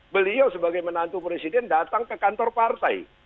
beliau sebagai menantu presiden datang ke kantor partai